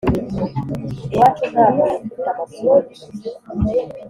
«iwacu nta muntu ufite amasunzu,